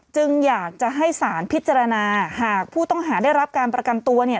จึงอยากจะให้สารพิจารณาหากผู้ต้องหาได้รับการประกันตัวเนี่ย